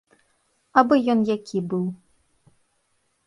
Абы ён які быў.